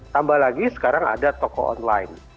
tambah lagi sekarang ada toko online